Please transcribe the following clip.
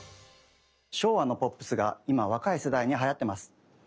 昭和のポップスが今若い世代にはやってます。